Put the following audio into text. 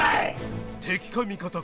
敵か味方か